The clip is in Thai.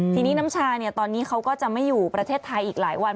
ทีนี้น้ำชาตอนนี้เขาก็จะไม่อยู่ประเทศไทยอีกหลายวัน